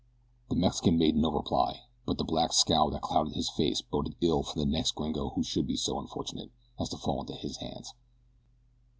The Mexican made no reply, but the black scowl that clouded his face boded ill for the next gringo who should be so unfortunate as to fall into his hands.